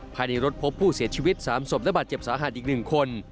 ภายในรถพบผู้เสียชีวิต๓ศพและบาดเจ็บสาหัสอีก๑คน